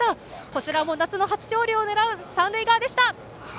こちらも夏の初勝利を狙う三塁側でした。